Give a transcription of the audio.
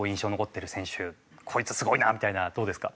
こいつすごいな！みたいなどうですか？